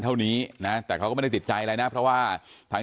เท่านี้นะแต่เขาก็ไม่ได้ติดใจอะไรนะเพราะว่าทาง